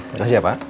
makasih ya pak